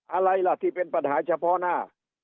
อะไรล่ะที่เป็นปัญหาเฉพาะหน้า